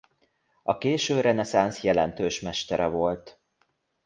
A késő reneszánsz jelentős mestere volt.